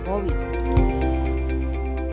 bersama presiden cukowi